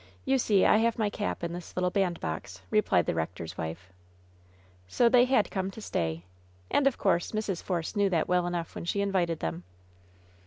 You see I have my cap in this little bandbox," replied the rector's wife. So they had come to stayl And, of course, Mrs. Force knew that well enough when she invited them.